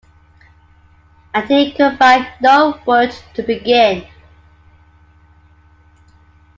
And he could find no word to begin.